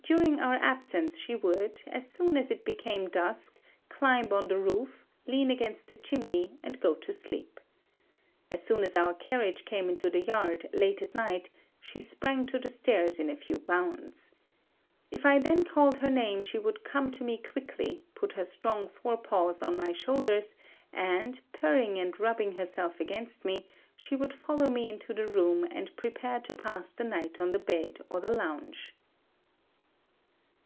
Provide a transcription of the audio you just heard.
During our absence she would, as soon as it became dusk, climb on the roof, lean against the chimney, and go to sleep. As soon as our carriage came into the yard, late at night, she sprang to the stairs in a few bounds. If I then called her name she would come to me quickly, put her strong fore paws on my shoulders and, purring and rubbing herself against me, she would follow me into the room and prepare to pass the night on the bed or the lounge."